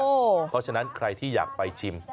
เพราะฉะนั้นใครที่อยากไปชิม